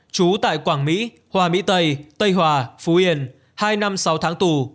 trú tại quảng mỹ hòa mỹ tây tây hòa phú yên hai năm sáu tháng tù